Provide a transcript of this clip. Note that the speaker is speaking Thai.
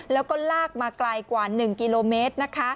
แล้วก็ลากมาไกลกว่า๑กิโลเมตร